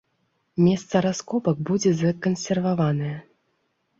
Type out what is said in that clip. Месца раскопак будзе закансерваванае.